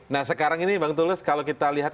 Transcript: nah sekarang ini bang tulus kalau kita lihat